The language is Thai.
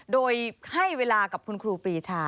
โดยให้เวลากับคุณครูปีชา